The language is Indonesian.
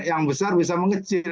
yang besar bisa mengecil